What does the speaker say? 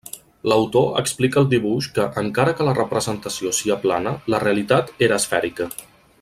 L'autor explica al dibuix que, encara que la representació sia plana, la realitat era esfèrica.